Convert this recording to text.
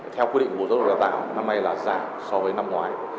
theo quy định bộ giáo dục đào tạo năm nay là giảm so với năm ngoái